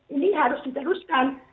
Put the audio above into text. ini harus diteruskan